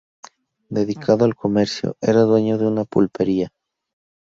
Dedicado al comercio, era dueño de una pulpería.